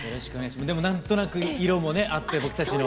でもなんとなく色もね合って僕たちの。